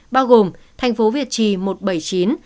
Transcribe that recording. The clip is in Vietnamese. bao gồm thành phố việt trì một trăm bảy mươi chín